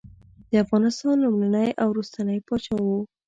د افغانستان لومړنی او وروستنی پاچا وو.